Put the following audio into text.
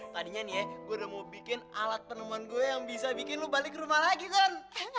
tadinya nih ya gue udah mau bikin alat penemuan gue yang bisa bikin lo balik rumah lagi kan